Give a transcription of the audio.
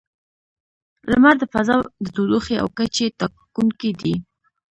• لمر د فضا د تودوخې او کچې ټاکونکی دی.